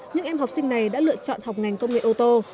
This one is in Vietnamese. những em học sinh này đã lựa chọn học ngành công nghệ ô tô